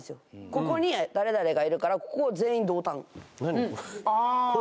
ここに誰々がいるからここ全員同担何これ？